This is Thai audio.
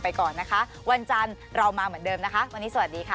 โปรดติดตามตอนต่อไป